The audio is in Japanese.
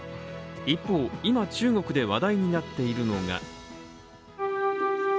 一方、今中国で話題になっているのが。